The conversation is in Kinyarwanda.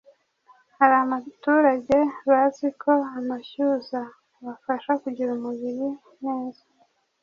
Hari amaturage bazi ko amashyuza abafasha kugira umubiri neza,